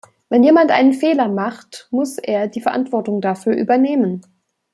Wenn jemand einen Fehler macht, muss er die Verantwortung dafür übernehmen.